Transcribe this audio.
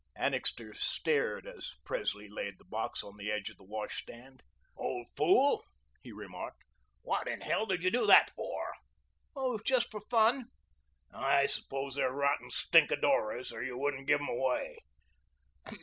Annixter stared as Presley laid the box on the edge of the washstand. "Old fool," he remarked, "what in hell did you do that for?" "Oh, just for fun." "I suppose they're rotten stinkodoras, or you wouldn't give 'em away."